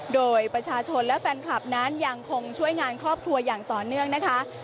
โดยประชาชนและแฟนคลับนั้นยังคงช่วยงานครอบครัวอย่างต่อเนื่องนะคะ